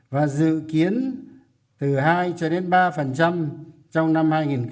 và dự kiến từ hai cho đến ba trong năm hai nghìn hai mươi